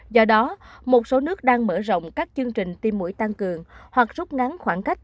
do đó một số nước đang mở rộng các chương trình tiêm mũi tăng cường hoặc rút ngắn khoảng cách